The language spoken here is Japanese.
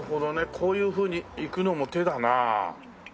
こういうふうにいくのも手だな。